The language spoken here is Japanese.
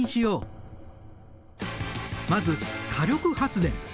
まず火力発電。